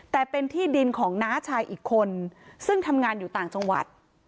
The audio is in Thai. แต่เป็นที่ดินของน้าชายอีกคนซึ่งทำงานอยู่ต่างจังหวัด